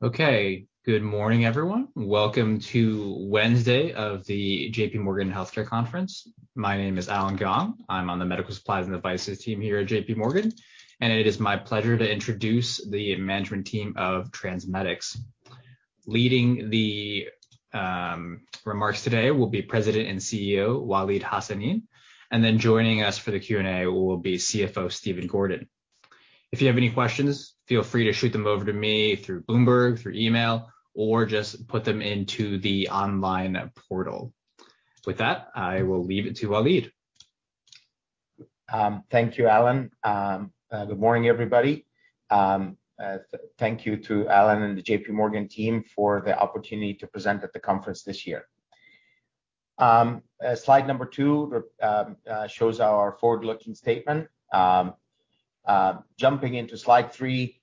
Okay. Good morning, everyone. Welcome to Wednesday of the J.P. Morgan Healthcare Conference. My name is Allen Gong. I'm on the medical supplies and devices team here at J.P. Morgan, and it is my pleasure to introduce the management team of TransMedics. Leading the remarks today will be President and CEO, Waleed Hassanein, and then joining us for the Q&A will be CFO, Stephen Gordon. If you have any questions, feel free to shoot them over to me through Bloomberg, through email, or just put them into the online portal. With that, I will leave it to Waleed. Thank you, Allen. Good morning, everybody. Thank you to Allen and the J.P. Morgan team for the opportunity to present at the conference this year. Slide number 2 shows our forward-looking statement. Jumping into slide 3,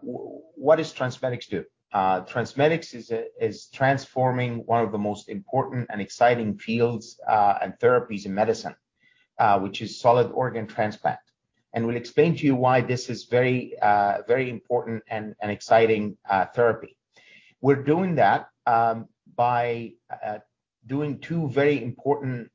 what does TransMedics do? TransMedics is transforming one of the most important and exciting fields and therapies in medicine, which is solid organ transplant. We'll explain to you why this is very important and exciting therapy. We're doing that by doing two very important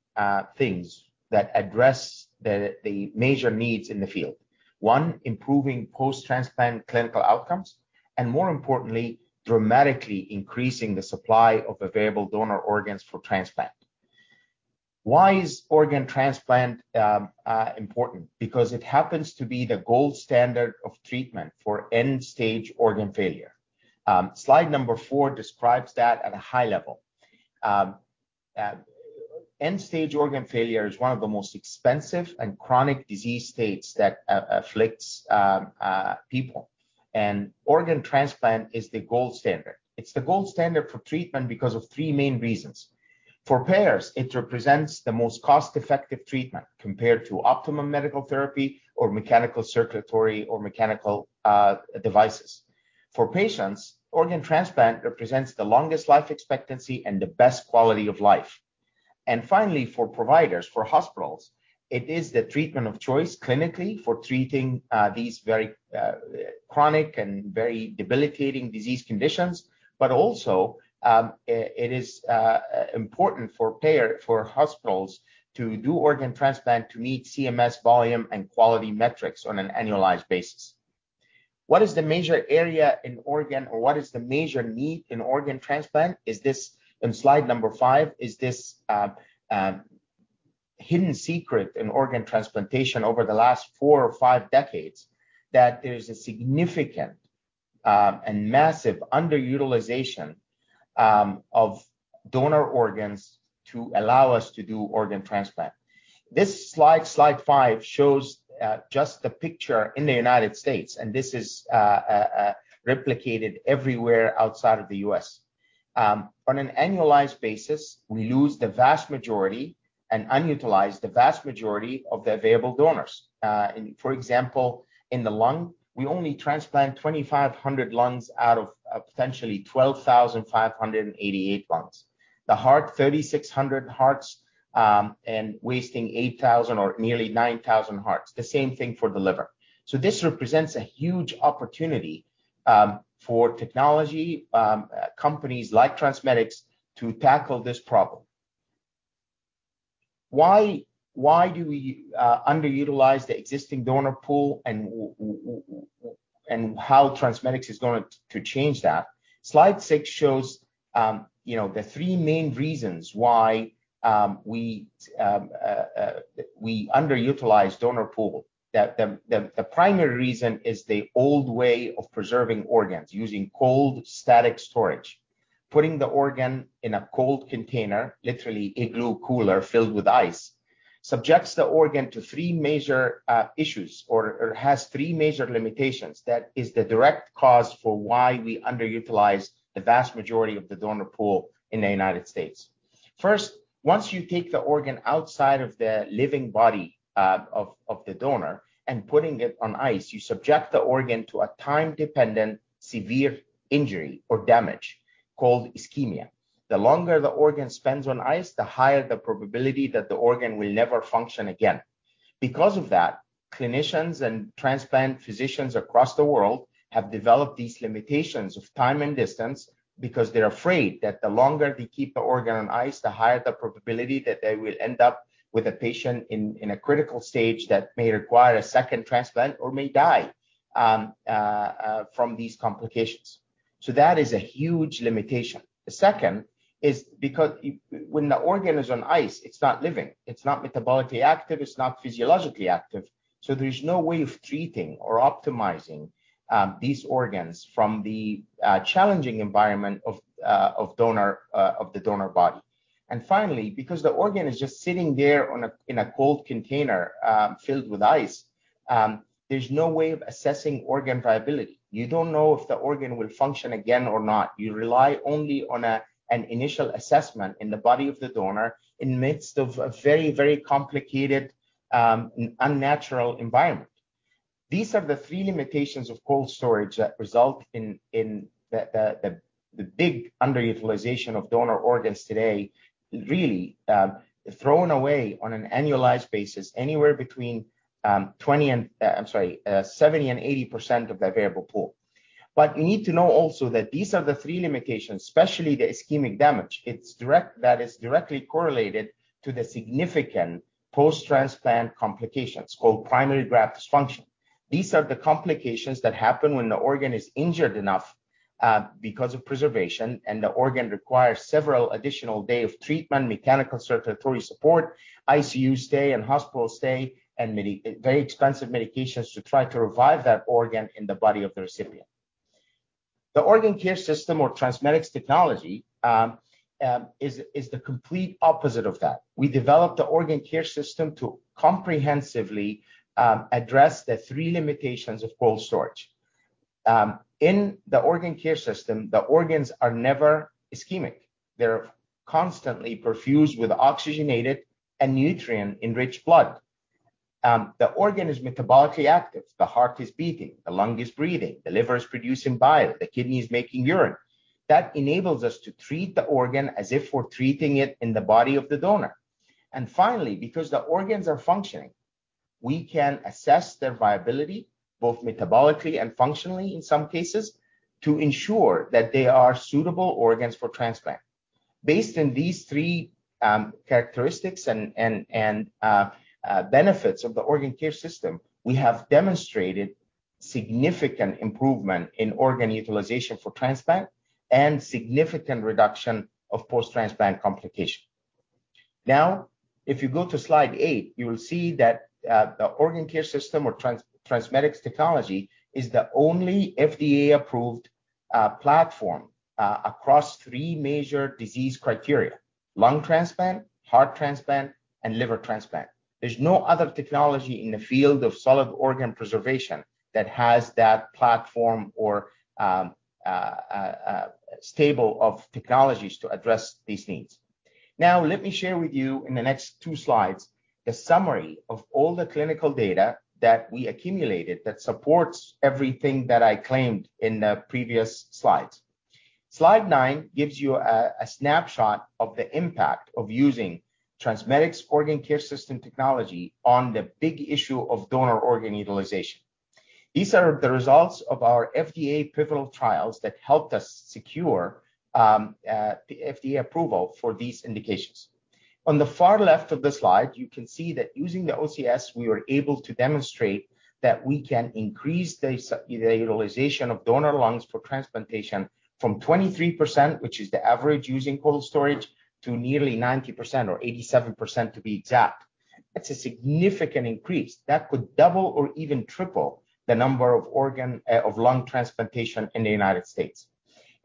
things that address the major needs in the field. One, improving post-transplant clinical outcomes, and more importantly, dramatically increasing the supply of available donor organs for transplant. Why is organ transplant important? Because it happens to be the gold standard of treatment for end-stage organ failure. Slide number four describes that at a high level. End-stage organ failure is one of the most expensive and chronic disease states that afflicts people, and organ transplant is the gold standard. It's the gold standard for treatment because of three main reasons. For payers, it represents the most cost-effective treatment compared to optimum medical therapy or mechanical circulatory devices. For patients, organ transplant represents the longest life expectancy and the best quality of life. Finally, for providers, for hospitals, it is the treatment of choice clinically for treating these very chronic and very debilitating disease conditions, but also, it is important for payer, for hospitals to do organ transplant to meet CMS volume and quality metrics on an annualized basis. What is the major need in organ transplant? In slide number 5, is this hidden secret in organ transplantation over the last four or five decades, that there is a significant and massive underutilization of donor organs to allow us to do organ transplant. This slide 5 shows just the picture in the United States, and this is replicated everywhere outside of the U.S. On an annualized basis, we lose the vast majority and underutilize the vast majority of the available donors. For example, in the lung, we only transplant 2,500 lungs out of potentially 12,588 lungs. The heart, 3,600 hearts and wasting 8,000 or nearly 9,000 hearts. The same thing for the liver. This represents a huge opportunity for technology companies like TransMedics to tackle this problem. Why do we underutilize the existing the donor pool and how TransMedics is going to change that? Slide 6 shows the 3 main reasons why we underutilize the donor pool. The primary reason is the old way of preserving organs using cold static storage. Putting the organ in a cold container, literally a blue cooler filled with ice, subjects the organ to 3 major issues or has three major limitations that is the direct cause for why we underutilize the vast majority of the donor pool in the United States. First, once you take the organ outside of the living body of the donor and putting it on ice, you subject the organ to a time-dependent severe injury or damage called ischemia. The longer the organ spends on ice, the higher the probability that the organ will never function again. Because of that, clinicians and transplant physicians across the world have developed these limitations of time and distance because they're afraid that the longer they keep the organ on ice, the higher the probability that they will end up with a patient in a critical stage that may require a second transplant or may die from these complications. That is a huge limitation. The second is because when the organ is on ice, it's not living, it's not metabolically active, it's not physiologically active, so there's no way of treating or optimizing these organs from the challenging environment of the donor body. Finally, because the organ is just sitting there in a cold container filled with ice, there's no way of assessing organ viability. You don't know if the organ will function again or not. You rely only on an initial assessment in the body of the donor in midst of a high complicated unnatural environment. These are the three limitations of cold storage that result in the big underutilization of donor organs today really thrown away on an annualized basis, anywhere between 70%-80% of the available pool. These are the three limitations, especially the ischemic damage. That is directly correlated to the significant post-transplant complications, called primary graft dysfunction. These are the complications that happen when the organ is injured enough because of preservation, and the organ requires several additional days of treatment, mechanical circulatory support, ICU stay and hospital stay, and very expensive medications to try to revive that organ in the body of the recipient. The Organ Care System or TransMedics technology is the complete opposite of that. We developed the Organ Care System to comprehensively address the three limitations of cold storage. In the Organ Care System, the organs are never ischemic. They're constantly perfused with oxygenated and nutrient-enriched blood. The organ is metabolically active. The heart is beating, the lung is breathing, the liver is producing bile, the kidney is making urine. That enables us to treat the organ as if we're treating it in the body of the donor. Finally, because the organs are functioning, we can assess their viability, both metabolically and functionally in some cases, to ensure that they are suitable organs for transplant. Based on these three characteristics and benefits of the Organ Care System, we have demonstrated significant improvement in organ utilization for transplant and significant reduction of post-transplant complication. Now, if you go to slide eight, you will see that the Organ Care System or TransMedics technology is the only FDA-approved platform across three major disease criteria: lung transplant, heart transplant, and liver transplant. There's no other technology in the field of solid organ preservation that has that platform or a stable of technologies to address these needs. Now, let me share with you in the next two slides the summary of all the clinical data that we accumulated that supports everything that I claimed in the previous slides. Slide nine gives you a snapshot of the impact of using TransMedics Organ Care System technology on the big issue of donor organ utilization. These are the results of our FDA pivotal trials that helped us secure the FDA approval for these indications. On the far left of the slide, you can see that using the OCS, we were able to demonstrate that we can increase the utilization of donor lungs for transplantation from 23%, which is the average using cold storage, to nearly 90% or 87% to be exact. That's a significant increase. That could double or even triple the number of organ, of lung transplantation in the United States.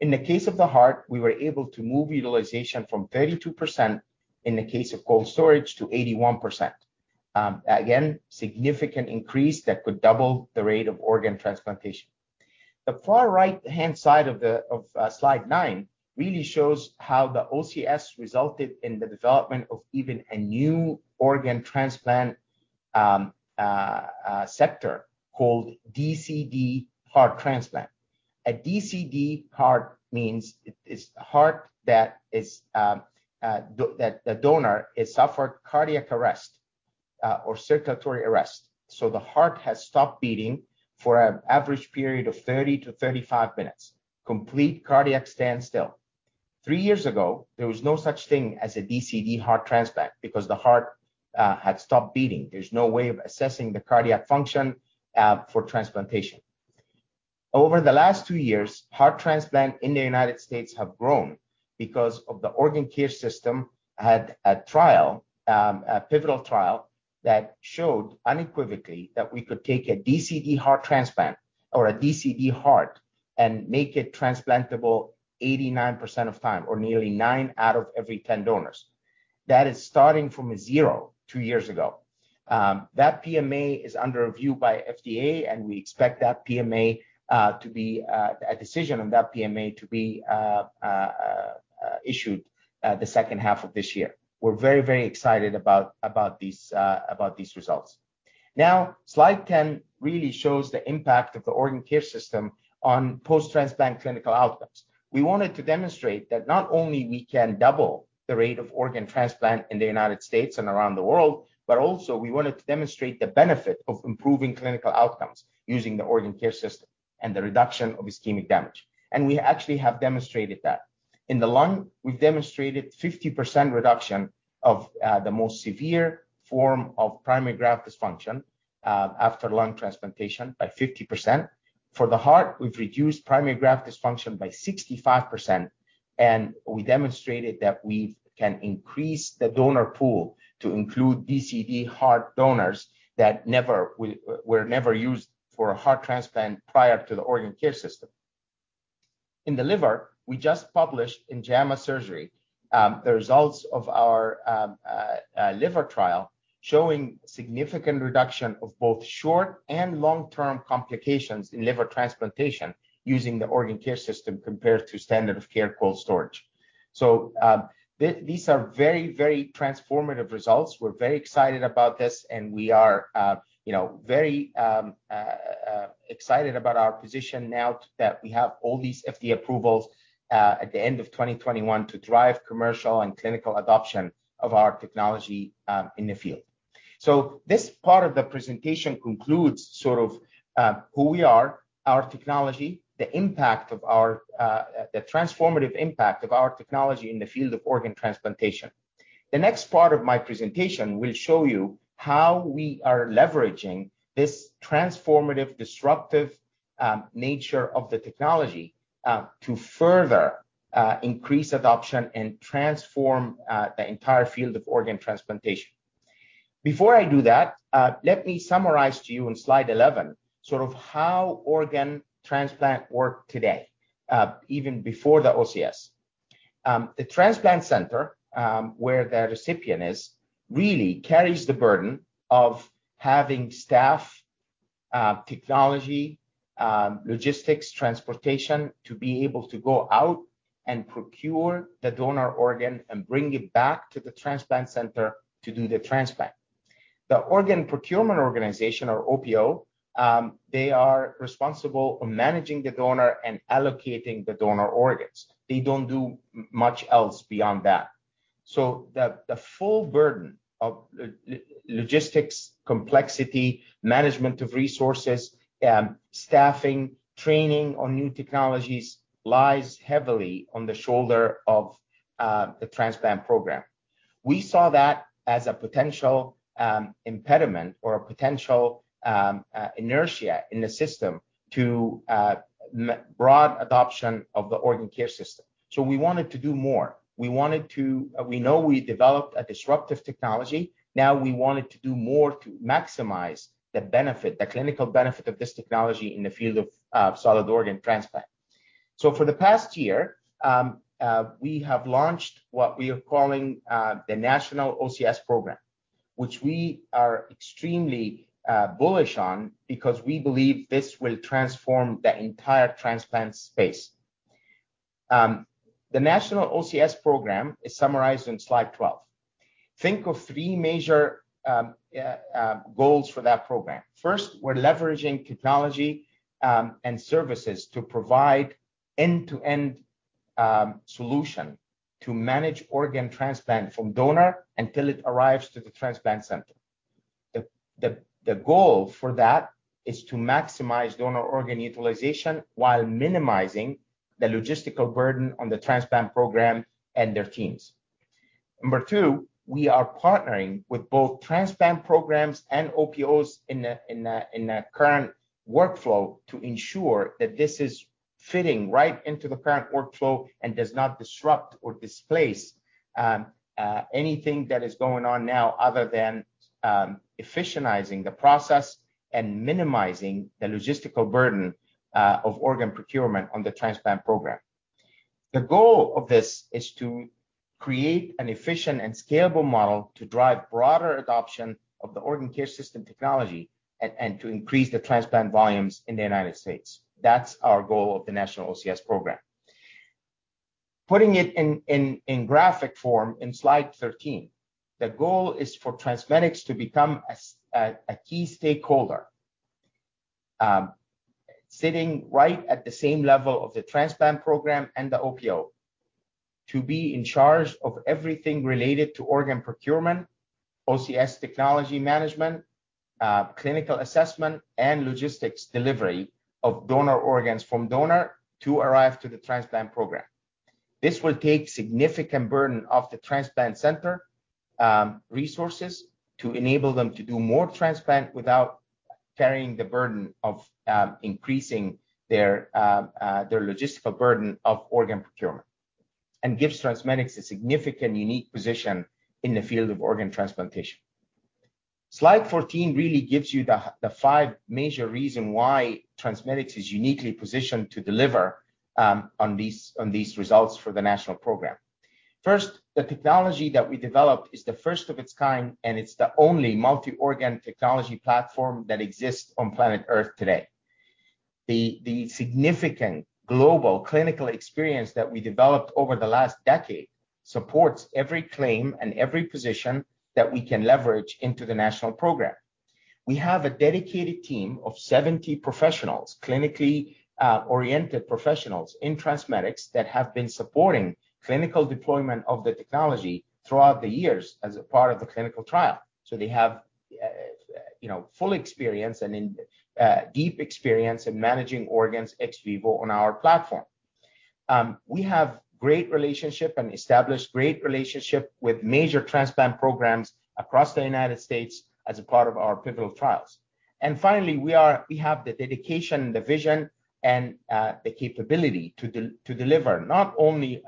In the case of the heart, we were able to move utilization from 32% in the case of cold storage to 81%. Again, significant increase that could double the rate of organ transplantation. The far right-hand side of the slide nine really shows how the OCS resulted in the development of even a new organ transplant sector called DCD heart transplant. A DCD heart means it's heart that is that the donor has suffered cardiac arrest or circulatory arrest. The heart has stopped beating for an average period of 30-35 minutes. Complete cardiac standstill. 3 years ago, there was no such thing as a DCD heart transplant because the heart had stopped beating. There's no way of assessing the cardiac function for transplantation. Over the last 2 years, heart transplant in the United States have grown because of the Organ Care System had a trial, a pivotal trial that showed unequivocally that we could take a DCD heart transplant or a DCD heart and make it transplantable 89% of the time or nearly 9 out of every 10 donors. That is starting from a 0 2 years ago. That PMA is under review by FDA, and we expect that PMA to be issued the second half of this year. We're very excited about these results. Now, slide 10 really shows the impact of the Organ Care System on post-transplant clinical outcomes. We wanted to demonstrate that not only we can double the rate of organ transplant in the United States and around the world, but also we wanted to demonstrate the benefit of improving clinical outcomes using the Organ Care System and the reduction of ischemic damage. We actually have demonstrated that. In the lung, we've demonstrated 50% reduction of the most severe form of primary graft dysfunction after lung transplantation by 50%. For the heart, we've reduced primary graft dysfunction by 65%, and we demonstrated that we can increase the donor pool to include DCD heart donors that were never used for a heart transplant prior to the Organ Care System. In the liver, we just published in JAMA Surgery the results of our liver trial showing significant reduction of both short and long-term complications in liver transplantation using the Organ Care System compared to standard of care cold storage. These are high transformative results. We're very excited about this, and we are very excited about our position now that we have all these FDA approvals at the end of 2021 to drive commercial and clinical adoption of our technology in the field. This part of the presentation concludes who we are, our technology, the transformative impact of our technology in the field of organ transplantation. The next part of my presentation will show you how we are leveraging this transformative, disruptive nature of the technology to further increase adoption and transform the entire field of organ transplantation. Before I do that, let me summarize to you in slide 11, how organ transplant works today, even before the OCS. The transplant center where the recipient is really carries the burden of having staff, technology, logistics, transportation to be able to go out and procure the donor organ and bring it back to the transplant center to do the transplant. The organ procurement organization or OPO, they are responsible for managing the donor and allocating the donor organs. They don't do much else beyond that. The full burden of logistics, complexity, management of resources, staffing, training on new technologies lies heavily on the shoulder of the transplant program. We saw that as a potential impediment or a potential inertia in the system to broad adoption of the Organ Care System. We wanted to do more. We know we developed a disruptive technology. Now we wanted to do more to maximize the clinical benefit of this technology in the field of solid organ transplant. For the past year, we have launched what we are calling the National OCS Program, which we are extremely bullish on because we believe this will transform the entire transplant space. The National OCS Program is summarized in slide 12. Think of three major goals for that program. First, we're leveraging technology and services to provide end-to-end solution to manage organ transplant from donor until it arrives to the transplant center. The goal for that is to maximize donor organ utilization while minimizing the logistical burden on the transplant program and their teams. Number 2, we are partnering with both transplant programs and OPOs in a current workflow to ensure that this is fitting right into the current workflow and does not disrupt or displace anything that is going on now other than efficientizing the process and minimizing the logistical burden of organ procurement on the transplant program. The goal of this is to create an efficient and scalable model to drive broader adoption of the Organ Care System technology and to increase the transplant volumes in the United States. That's our goal of the National OCS Program. Putting it in graphic form in slide 13, the goal is for TransMedics to become a key stakeholder, sitting right at the same level of the transplant program and the OPO, to be in charge of everything related to organ procurement, OCS technology management, clinical assessment, and logistics delivery of donor organs from donor to arrive to the transplant program. This will take significant burden off the transplant center, resources to enable them to do more transplant without carrying the burden of increasing their their logistical burden of organ procurement, and gives TransMedics a significant unique position in the field of organ transplantation. Slide 14 really gives you the five major reason why TransMedics is uniquely positioned to deliver on these results for the national program. First, the technology that we developed is the first of its kind, and it's the only multi-organ technology platform that exists on planet Earth today. The significant global clinical experience that we developed over the last decade supports every claim and every position that we can leverage into the national program. We have a dedicated team of 70 clinically oriented professionals in TransMedics that have been supporting clinical deployment of the technology throughout the years as a part of the clinical trial. They have full experience and deep experience in managing organs ex vivo on our platform. We have established great relationship with major transplant programs across the United States as a part of our pivotal trials. Finally, we have the dedication, the vision, and the capability to deliver not only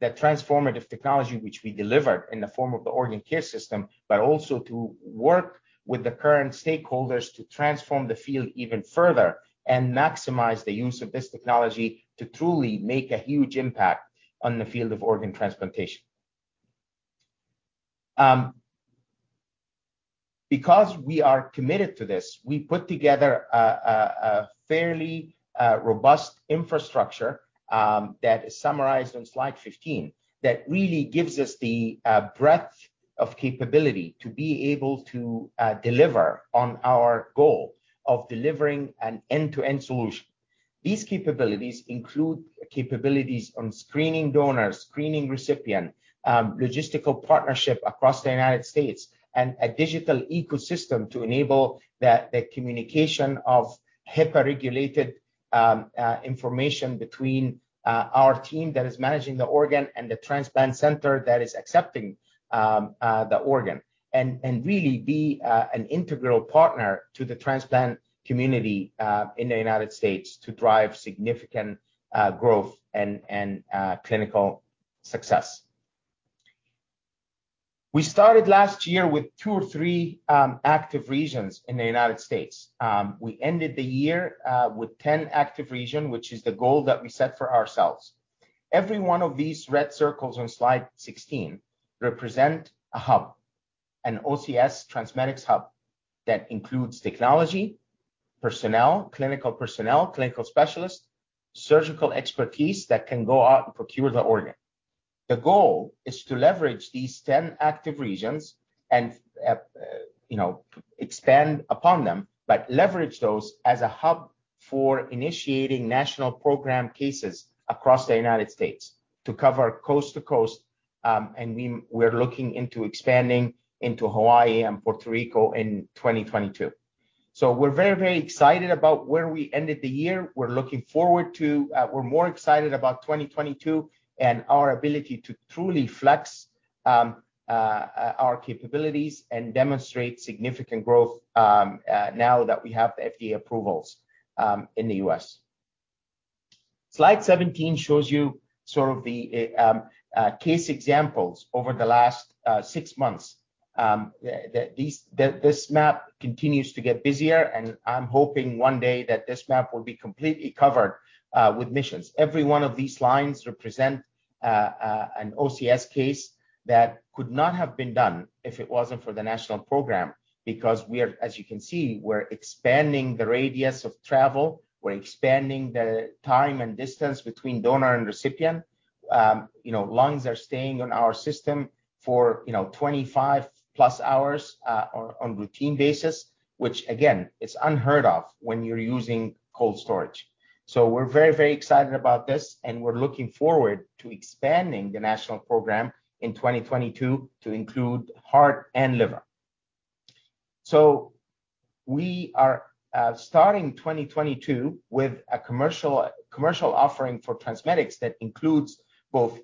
the transformative technology which we delivered in the form of the Organ Care System, but also to work with the current stakeholders to transform the field even further and maximize the use of this technology to truly make a huge impact on the field of organ transplantation. Because we are committed to this, we put together a fairly robust infrastructure that is summarized on slide 15, that really gives us the breadth of capability to be able to deliver on our goal of delivering an end-to-end solution. These capabilities include on screening donors, screening recipient, logistical partnership across the United States, and a digital ecosystem to enable the communication of HIPAA-regulated information between our team that is managing the organ and the transplant center that is accepting the organ, and really be an integral partner to the transplant community in the United States to drive significant growth and clinical success. We started last year with 2 or 3 active regions in the United States. We ended the year with 10 active region, which is the goal that we set for ourselves. Every one of these red circles on slide 16 represent a hub, an OCS TransMedics hub, that includes technology, personnel, clinical personnel, clinical specialists, surgical expertise that can go out and procure the organ. The goal is to leverage these 10 active regions and expand upon them, but leverage those as a hub for initiating national program cases across the United States to cover coast to coast, and we're looking into expanding into Hawaii and Puerto Rico in 2022. We're high excited about where we ended the year. We're more excited about 2022 and our ability to truly flex our capabilities and demonstrate significant growth now that we have the FDA approvals in the U.S. Slide 17 shows you the case examples over the last 6 months. This map continues to get busier, and I'm hoping one day that this map will be completely covered with missions. Every one of these lines represent an OCS case that could not have been done if it wasn't for the national program because, as you can see, we're expanding the radius of travel. We're expanding the time and distance between donor and recipient lungs are staying on our system for 25+ hours on routine basis, which again, is unheard of when you're using cold storage. We're high excited about this, and we're looking forward to expanding the national program in 2022 to include heart and liver. We are starting 2022 with a commercial offering for TransMedics that includes both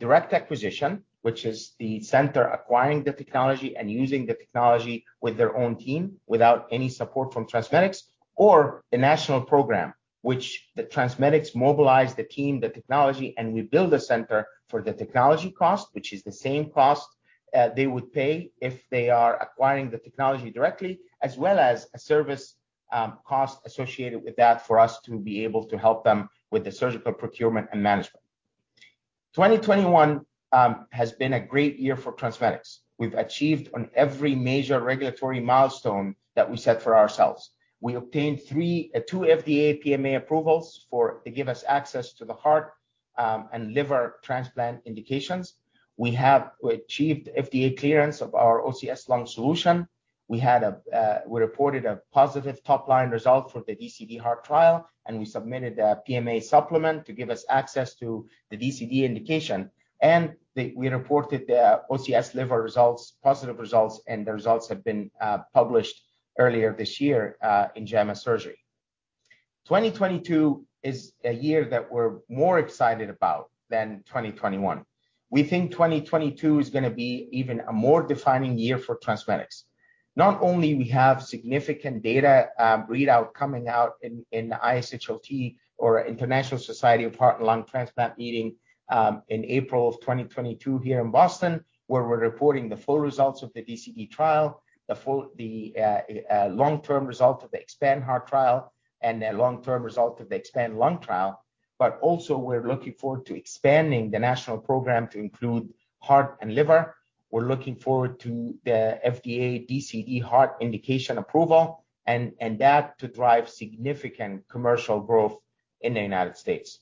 direct acquisition, which is the center acquiring the technology and using the technology with their own team without any support from TransMedics, or a national program which the TransMedics mobilize the team, the technology, and we bill the center for the technology cost, which is the same cost they would pay if they are acquiring the technology directly, as well as a service cost associated with that for us to be able to help them with the surgical procurement and management. 2021 has been a great year for TransMedics. We've achieved on every major regulatory milestone that we set for ourselves. We obtained two FDA PMA approvals to give us access to the heart and liver transplant indications. We have achieved FDA clearance of our OCS Lung Solution. We reported a positive top-line result for the DCD heart trial, and we submitted a PMA supplement to give us access to the DCD indication. We reported the OCS liver results, positive results, and the results have been published earlier this year in JAMA Surgery. 2022 is a year that we're more excited about than 2021. We think 2022 is going to be even a more defining year for TransMedics. Not only we have significant data readout coming out in the ISHLT or International Society for Heart and Lung Transplantation meeting in April 2022 here in Boston, where we're reporting the full results of the DCD trial, the long-term result of the EXPAND Heart trial and the long-term result of the EXPAND Lung trial. We're looking forward to expanding the National OCS Program to include heart and liver. We're looking forward to the FDA DCD heart indication approval and that to drive significant commercial growth in the United States.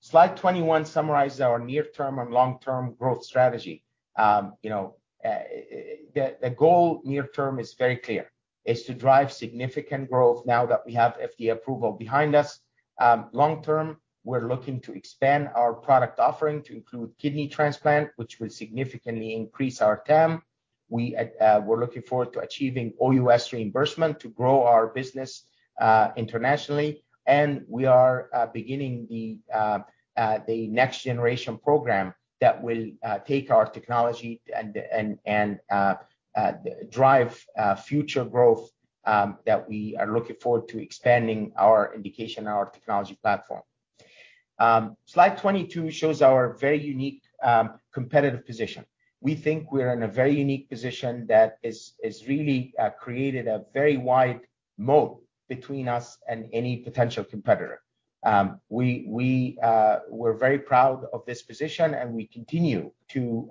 Slide 21 summarizes our near-term and long-term growth strategy the goal near term is very clear. It's to drive significant growth now that we have FDA approval behind us. Long term, we're looking to expand our product offering to include kidney transplant, which will significantly increase our TAM. We're looking forward to achieving OUS reimbursement to grow our business internationally, and we are beginning the next generation program that will take our technology and drive future growth that we are looking forward to expanding our indication and our technology platform. Slide 22 shows our very unique competitive position. We think we're in a very unique position that really created a very wide moat between us and any potential competitor. We're very proud of this position, and we continue to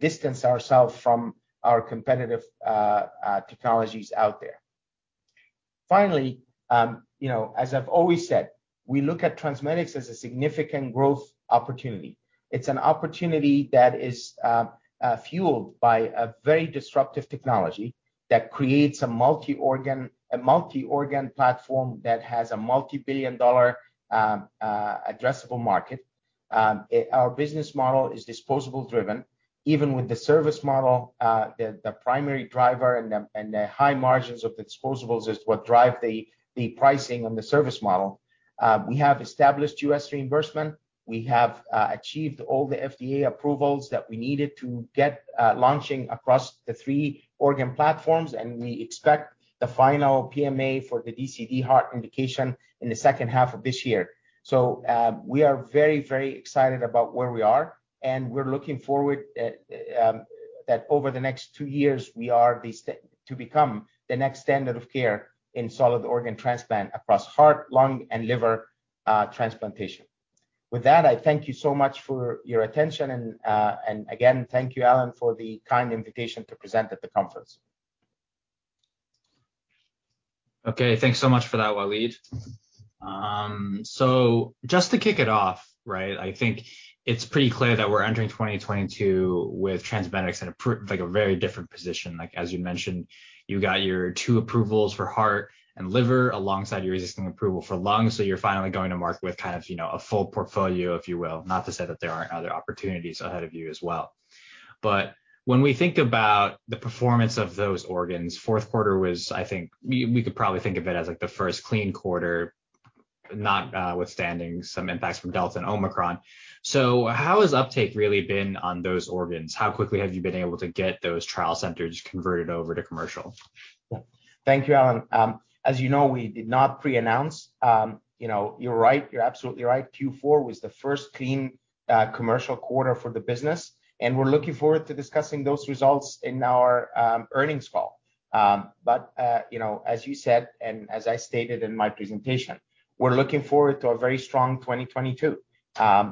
distance ourselves from our competitive technologies out there. finally as I've always said, we look at TransMedics as a significant growth opportunity. It's an opportunity that is fueled by a very disruptive technology that creates a multi-organ platform that has a multi-billion-dollar addressable market. Our business model is disposable driven. Even with the service model, the primary driver and the high margins of disposables is what drive the pricing on the service model. We have established U.S. reimbursement. We have achieved all the FDA approvals that we needed to get launching across the three organ platforms, and we expect the final PMA for the DCD heart indication in the second half of this year. We are high excited about where we are, and we're looking forward at that over the next two years, to become the next standard of care in solid organ transplant across heart, lung, and liver transplantation. With that, I thank you so much for your attention and again, thank you, Allen, for the kind invitation to present at the conference. Okay. Thanks so much for that, Waleed. Just to kick it off, right, I think it's pretty clear that we're entering 2022 with TransMedics in a like a very different position. Like, as you mentioned, you got your two approvals for heart and liver alongside your existing approval for lungs, you're finally going to market with kind of a full portfolio, if you will. Not to say that there aren't other opportunities ahead of you as well. When we think about the performance of those organs, fourth quarter was, I think, we could probably think of it as like the first clean quarter, notwithstanding some impacts from Delta and Omicron. How has uptake really been on those organs? How quickly have you been able to get those trial centers converted over to commercial? Thank you, Allen. As, we did not preannounce results you're right. You're absolutely right. Q4 was the first clean commercial quarter for the business, and we're looking forward to discussing those results in our earnings call as you said, and as I stated in my presentation, we're looking forward to a very strong 2022,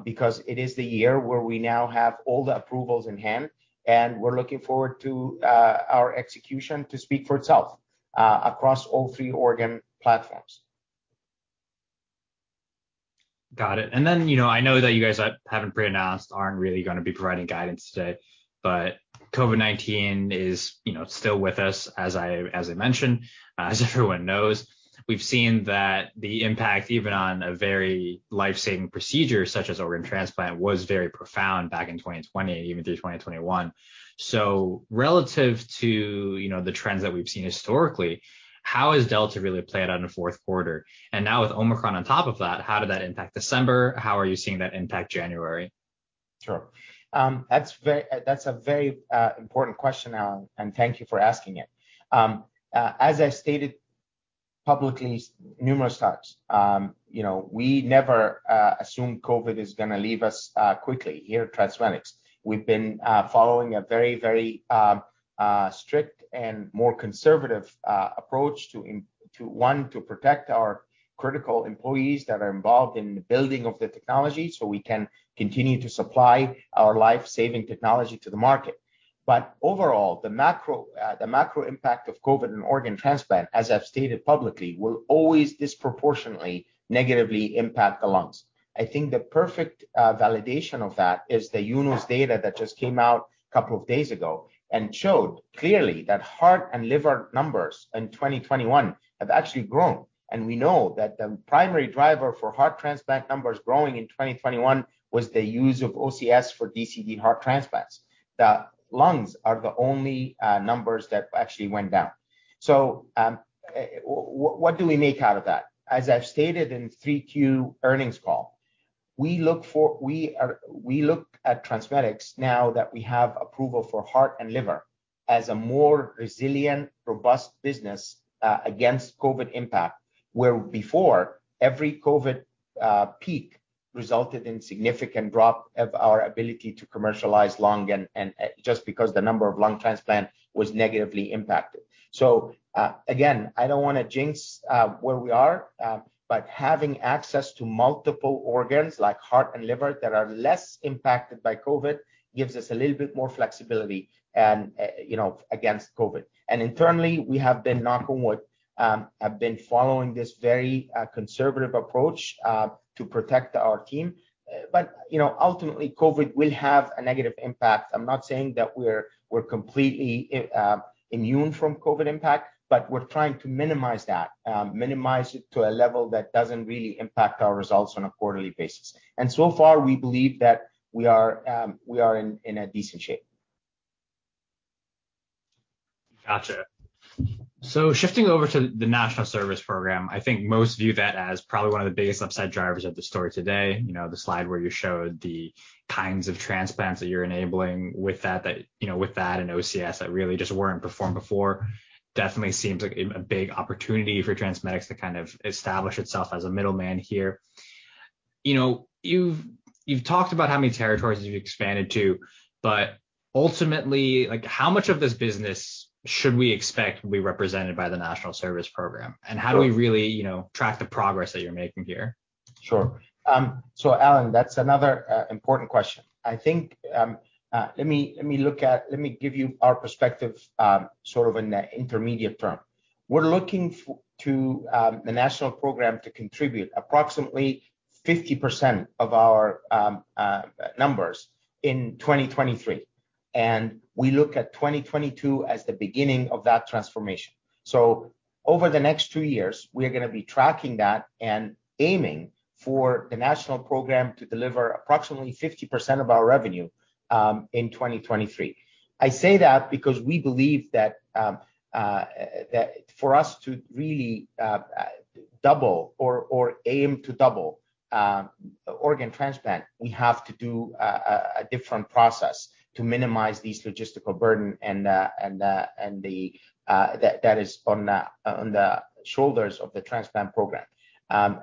because it is the year where we now have all the approvals in hand, and we're looking forward to our execution to speak for itself across all three organ platforms. Got it. then I know that you guys haven't preannounced, aren't really going to be providing guidance today, but COVID-19 is still with us, as I mentioned. As everyone knows, we've seen that the impact, even on a very life-saving procedure such as organ transplant, was very profound back in 2020 and even through 2021. Relative to the trends that we've seen historically, how has Delta really played out in the fourth quarter? And now with Omicron on top of that, how did that impact December? How are you seeing that impact January? Sure. That's a very important question, Allen, and thank you for asking it. As I stated publicly numerous times we never assumed COVID is going to leave us quickly here at TransMedics. We've been following a very strict and more conservative approach to one, to protect our critical employees that are involved in the building of the technology, so we can continue to supply our life-saving technology to the market. Overall, the macro impact of COVID and organ transplant, as I've stated publicly, will always disproportionately negatively impact the lungs. I think the perfect validation of that is the UNOS data that just came out a couple of days ago and showed clearly that heart and liver numbers in 2021 have actually grown. We know that the primary driver for heart transplant numbers growing in 2021 was the use of OCS for DCD heart transplants. The lungs are the only numbers that actually went down. What do we make out of that? As I've stated in 3Q earnings call, we look at TransMedics now that we have approval for heart and liver as a more resilient, robust business against COVID impact, where before every COVID peak resulted in significant drop of our ability to commercialize lung and just because the number of lung transplant was negatively impacted. Again, where we are, but having access to multiple organs like heart and liver that are less impacted by COVID gives us a little bit more flexibility and against COVID. Internally, we have been, following this very conservative approach to protect our team ultimately, COVID will have a negative impact. I'm not saying that we're completely immune from COVID impact, but we're trying to minimize that to a level that doesn't really impact our results on a quarterly basis. So far, we believe that we are in a decent shape. Shifting over to the National Service Program, I think most view that as probably one of the biggest upside drivers of the story today the slide where you showed the kinds of transplants that you're enabling with that with that and OCS that really just weren't performed before definitely seems like a big opportunity for TransMedics to kind of establish itself as a middleman here you've talked about how many territories you've expanded to, but ultimately, like how much of this business should we expect will be represented by the National Service Program? Sure. How do we really track the progress that you're making here? Sure. Allen, that's another important question. I think, let me give you our perspective, in the intermediate term. We're looking forward to the national program to contribute approximately 50% of our numbers in 2023, and we look at 2022 as the beginning of that transformation. Over the next two years, we're going to be tracking that and aiming for the national program to deliver approximately 50% of our revenue in 2023. I say that because we believe that for us to really double or aim to double organ transplant, we have to do a different process to minimize the logistical burden and the burden that is on the shoulders of the transplant program.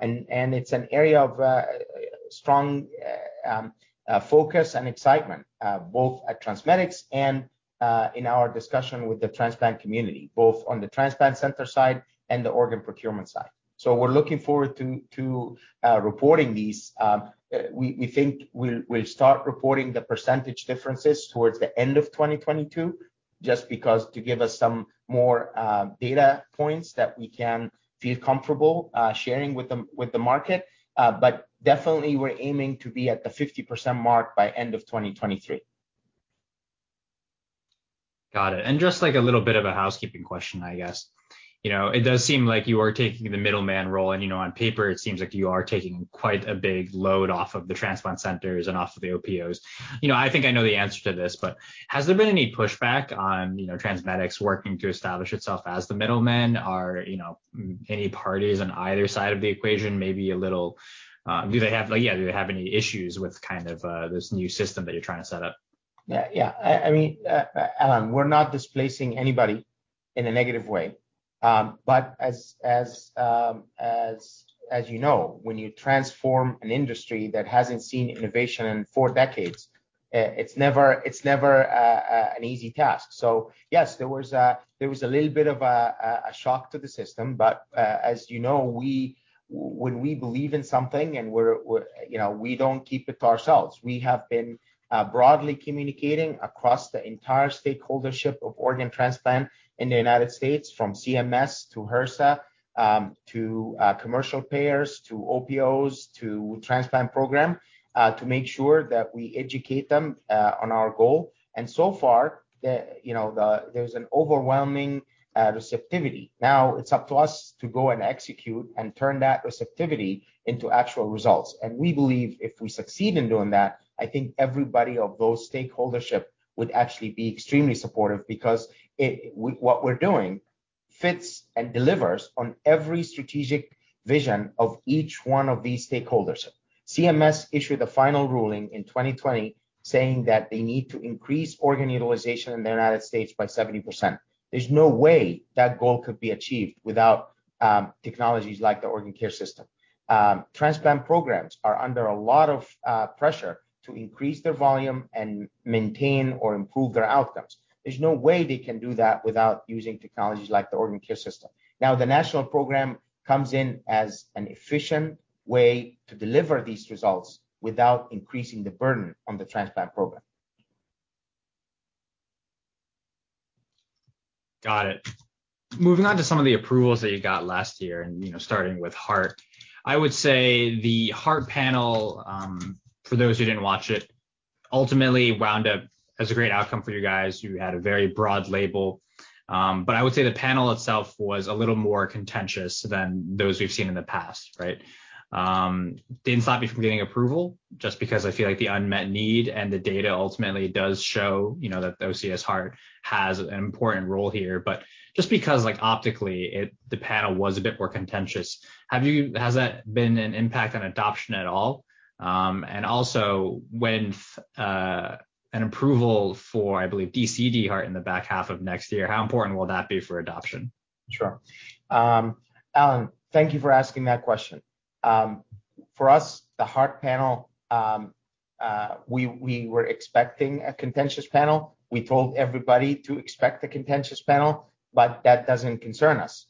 It's an area of strong focus and excitement both at TransMedics and in our discussion with the transplant community, both on the transplant center side and the organ procurement side. We're looking forward to reporting these. We think we'll start reporting the percentage differences towards the end of 2022, just because to give us some more data points that we can feel comfortable sharing with the market. Definitely we're aiming to be at the 50% mark by end of 2023. Got it. Just like a little bit of a housekeeping question, I guess it does seem like you are taking the middleman role, and on paper it seems like you are taking quite a big load off of the transplant centers and off of the opos I think I know the answer to this, but has there been any pushback on TransMedics working to establish itself as the middleman? Are many parties on either side of the equation maybe a little, do they have any issues with kind of this new system that you are trying to set up? Yeah. I mean, Allen, we're not displacing anybody in a negative way. As, when you transform an industry that hasn't seen innovation in four decades, it's never an easy task. Yes, there was a little bit of a shock to the system. As, when we believe in something and we're we don't keep it to ourselves. We have been broadly communicating across the entire stakeholdership of organ transplant in the United States, from CMS to HRSA, to commercial payers, to OPOs, to transplant program, to make sure that we educate them on our goal. So far there's an overwhelming receptivity. Now it's up to us to go and execute and turn that receptivity into actual results. We believe if we succeed in doing that, I think everybody of those stakeholders would actually be extremely supportive because what we're doing fits and delivers on every strategic vision of each one of these stakeholders. CMS issued a final ruling in 2020 saying that they need to increase organ utilization in the United States by 70%. There's no way that goal could be achieved without technologies like the Organ Care System. Transplant programs are under a lot of pressure to increase their volume and maintain or improve their outcomes. There's no way they can do that without using technologies like the Organ Care System. Now, the national program comes in as an efficient way to deliver these results without increasing the burden on the transplant program. Got it. Moving on to some of the approvals that you got last year and starting with heart. I would say the heart panel, for those who didn't watch it, ultimately wound up as a great outcome for you guys. You had a very broad label. But I would say the panel itself was a little more contentious than those we've seen in the past, right? Didn't stop you from getting approval, just because I feel like the unmet need and the data ultimately does show that OCS heart has an important role here. But just because, like, optically, the panel was a bit more contentious, has that been an impact on adoption at all? When an approval for, I believe, DCD heart in the back half of next year, how important will that be for adoption? Sure. Allen, thank you for asking that question. For us, the heart panel, we were expecting a contentious panel. We told everybody to expect a contentious panel, but that doesn't concern us,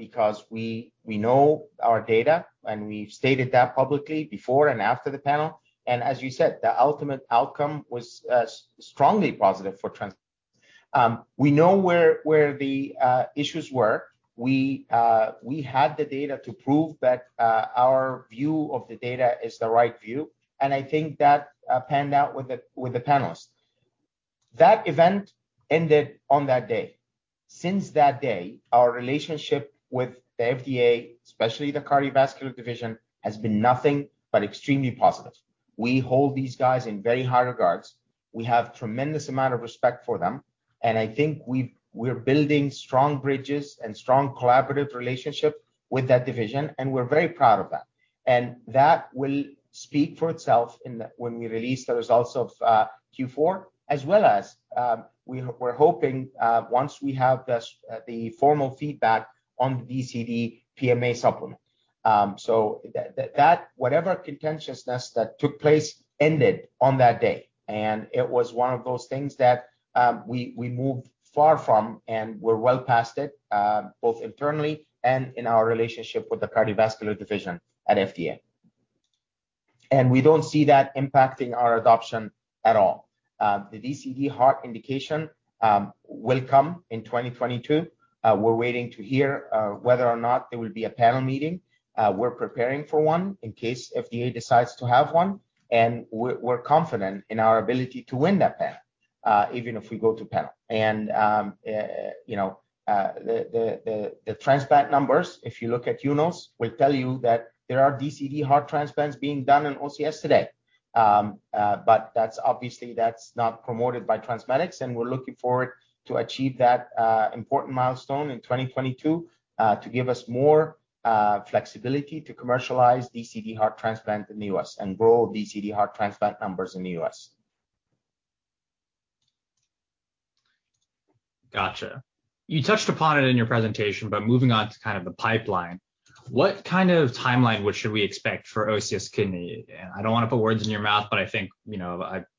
because we know our data, and we've stated that publicly before and after the panel. As you said, the ultimate outcome was strongly positive for TransMedics. We know where the issues were. We had the data to prove that our view of the data is the right view, and I think that panned out with the panelists. That event ended on that day. Since that day, our relationship with the FDA, especially the cardiovascular division, has been nothing but extremely positive. We hold the FDA team in very high regards. We have a tremendous amount of respect for them, and I think we're building strong bridges and strong collaborative relationship with that division, and we're very proud of that. That will speak for itself when we release the results of Q4, as well as we're hoping once we have the formal feedback on the DCD PMA supplement. Whatever contentiousness that took place ended on that day, and it was one of those things that we moved far from, and we're well past it both internally and in our relationship with the cardiovascular division at FDA. We don't see that impacting our adoption at all. The DCD heart indication will come in 2022. We're waiting to hear whether or not there will be a panel meeting. We're preparing for one in case FDA decides to have one, and we're confident in our ability to win that panel, even if we go to panel the transplant numbers, if you look at UNOS, will tell you that there are DCD heart transplants being done in OCS today. But that's obviously not promoted by TransMedics, and we're looking forward to achieve that important milestone in 2022 to give us more flexibility to commercialize DCD heart transplant in the U.S. and grow DCD heart transplant numbers in the U.S. You touched upon it in your presentation, but moving on to kind of the pipeline, what kind of timeline would we expect for OCS Kidney? I don't want to put words in your mouth, but I think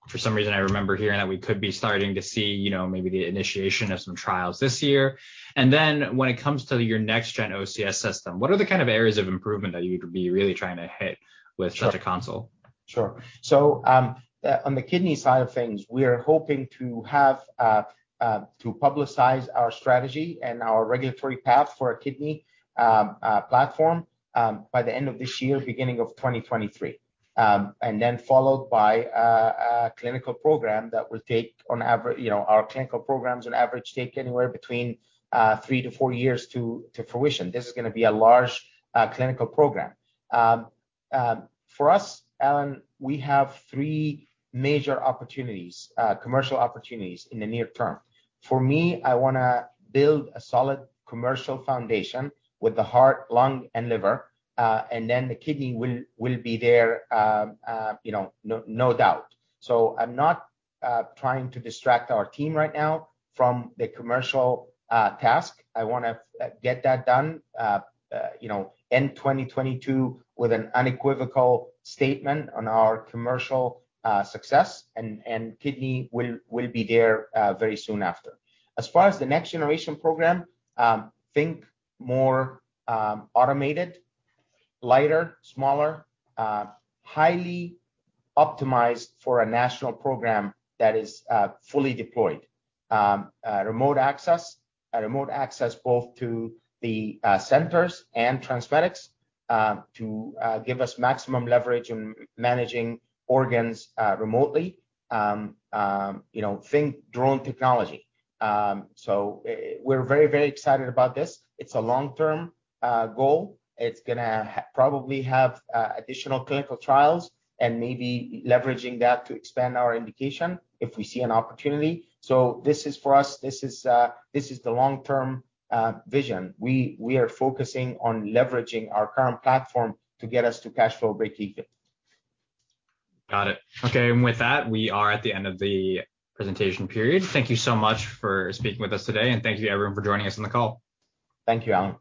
for some reason, I remember hearing that we could be starting to see maybe the initiation of some trials this year. When it comes to your next gen OCS system, what are the kind of areas of improvement that you would be really trying to hit with such a console? Sure, on the kidney side of things, we are hoping to have to publicize our strategy and our regulatory path for a kidney platform by the end of this year, beginning of 2023. And then followed by a clinical program that will take our clinical programs on average take anywhere between three to four years to fruition. This will be a large clinical program. For us, Allen, we have 3 major opportunities, commercial opportunities in the near term. For me, I want to build a solid commercial foundation with the heart, lung, and liver, and then the kidney will be there no doubt. I'm not trying to distract our team right now from the commercial task. I want to get that done end 2022 with an unequivocal statement on our commercial success, and kidney will be there very soon after. As far as the next generation program, think more automated, lighter, smaller, highly optimized for a national program that is fully deployed. Remote access both to the centers and TransMedics to give us maximum leverage in managing organs remotely think drone technology. We're high excited about this. It's a long-term goal. It's going to probably have additional clinical trials and maybe leveraging that to expand our indication if we see an opportunity. This is for us, the long-term vision. We are focusing on leveraging our current platform to get us to cash flow breakeven. Got it. Okay. With that, we are at the end of the presentation period. Thank you so much for speaking with us today, and thank you to everyone for joining us on the call. Thank you, Allen.